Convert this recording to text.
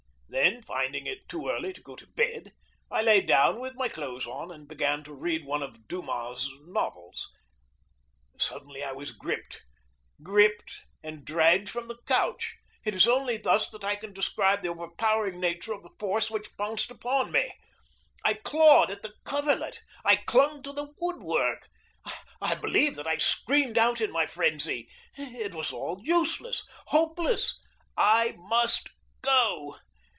Then, finding it too early to go to bed, I lay down with my clothes on and began to read one of Dumas's novels. Suddenly I was gripped gripped and dragged from the couch. It is only thus that I can describe the overpowering nature of the force which pounced upon me. I clawed at the coverlet. I clung to the wood work. I believe that I screamed out in my frenzy. It was all useless, hopeless. I MUST go.